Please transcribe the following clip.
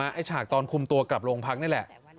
ฉากตอนคุมตัวกลับโรงพักนี่แหละ